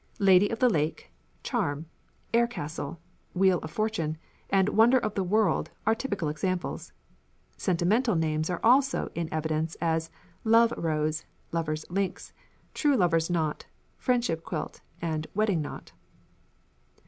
"Lady of the Lake," "Charm," "Air Castle," "Wheel of Fortune," and "Wonder of the World" are typical examples. Sentimental names are also in evidence, as "Love Rose," "Lovers' Links," "True Lovers' Knot," "Friendship Quilt," and "Wedding Knot."